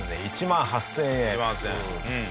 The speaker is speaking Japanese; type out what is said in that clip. １万８０００円うん。